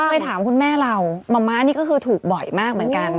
เคยถามคุณแม่เรามะม้านี่ก็คือถูกบ่อยมากเหมือนกัน